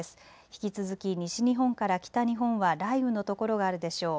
引き続き西日本から北日本は雷雨の所があるでしょう。